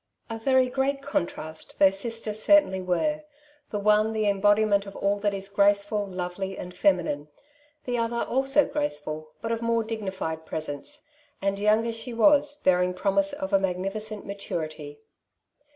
A very Elsie s Influence. 57 great contrast those sisters certainly were — ^the one the embodiment of all that is graceful, lovely, and feminine ; the other also graceful, but of more dig nified presence, and, young as she was, bearing pro mise of a magnificent maturity.